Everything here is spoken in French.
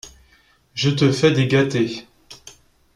Je te fais des gâtés.